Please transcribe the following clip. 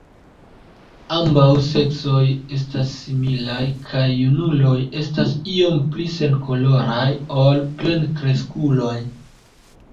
Ambaŭ seksoj estas similaj, kaj junuloj estas iom pli senkoloraj ol plenkreskuloj.